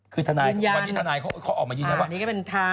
คือทนายวันนี้ทนายเขาออกมายืนยันว่า